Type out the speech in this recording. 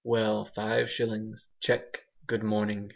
well, five shillings; cheque, good morning.